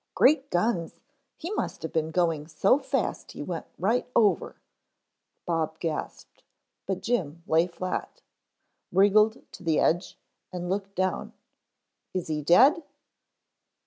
"Great guns, he must have been going so fast he went right over," Bob gasped, but Jim lay flat, wriggled to the edge and looked down. "Is he dead?"